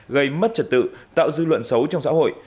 gây mất trật tự tạo dư luận xấu trong xã hội